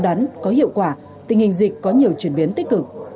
tình hình dịch có nhiều chuyển biến tích cực